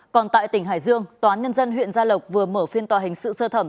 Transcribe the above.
còn tại tỉnh hải dương toán nhân dân huyện gia lộc vừa mở phiên tòa hình sự sơ thẩm